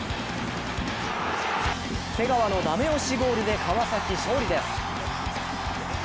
瀬川のダメ押しゴールで川崎勝利です。